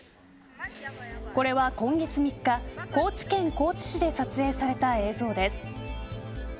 これは今月３日高知県高知市で撮影された映像です。